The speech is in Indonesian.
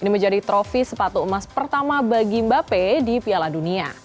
ini menjadi trofi sepatu emas pertama bagi mba pe di piala dunia